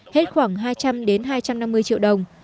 hết khoảng hai trăm linh đến hai trăm năm mươi triệu đồng